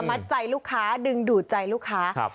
มัดใจลูกค้าดึงดูดใจลูกค้า